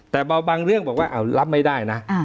แต่บางเรื่องบอกว่ารับไม่ได้นะ